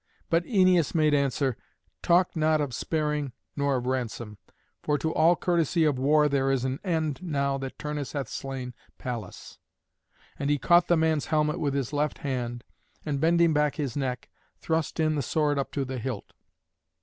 But Æneas made answer, "Talk not of sparing nor of ransom; for to all courtesy of war there is an end now that Turnus hath slain Pallas." And he caught the man's helmet with his left hand, and, bending back his neck, thrust in the sword up to the hilt.